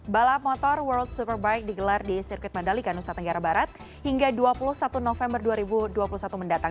balap motor world superbike digelar di sirkuit mandalika nusa tenggara barat hingga dua puluh satu november dua ribu dua puluh satu mendatang